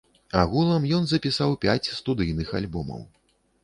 Агулам ён запісаў пяць студыйных альбомаў.